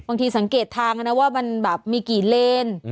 บางทีสังเกตทางนะว่ามันแบบมีกี่เลน